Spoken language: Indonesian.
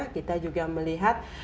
kita juga melihat